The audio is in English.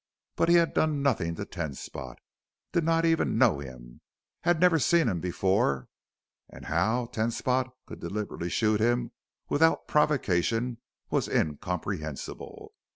But he had done nothing to Ten Spot did not even know him had never seen him before, and how Ten Spot could deliberately shoot him without provocation was incomprehensible.